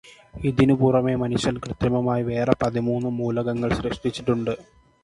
അതിനു പുറമേ മനുഷ്യൻ കൃത്രിമമായി വേറെ പതിമൂന്ന് മൂലകങ്ങൾ സൃഷ്ടിച്ചിട്ടുണ്ട്.